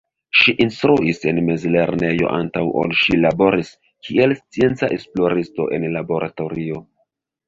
Ŝi instruis en mezlernejo antaŭ ol ŝi laboris kiel scienca esploristo en laboratorio.